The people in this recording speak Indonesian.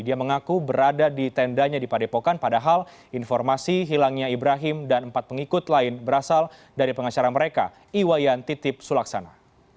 dia mengaku berada di tendanya di padepokan padahal informasi hilangnya ibrahim dan empat pengikut lain berasal dari pengacara mereka iwayan titip sulaksana